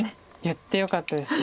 言ってよかったです。